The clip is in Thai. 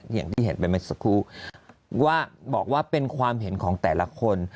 อย่างที่เห็นไปเมื่อสักครู่ว่าบอกว่าเป็นความเห็นของแต่ละคน